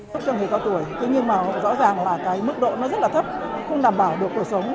thực trường người cao tuổi nhưng mà rõ ràng là cái mức độ nó rất là thấp không đảm bảo được cuộc sống